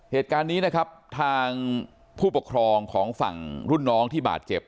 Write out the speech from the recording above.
เหตุการณ์นี้นะครับทางผู้ปกครองของฝั่งรุ่นน้องที่บาดเจ็บ